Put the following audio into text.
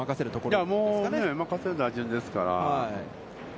いやあ、もう任せる打順ですから。